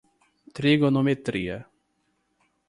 trigonometria